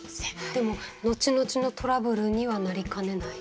でも後々のトラブルにはなりかねない？